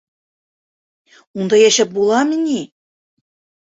Унда йәшәп буламы ни?!